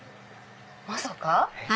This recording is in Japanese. まさか。